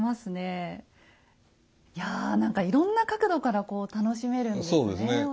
いや何かいろんな角度から楽しめるんですね